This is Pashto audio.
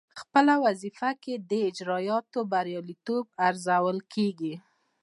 پخپله وظیفه کې د اجرااتو بریالیتوب ارزول کیږي.